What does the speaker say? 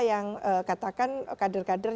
yang katakan kader kader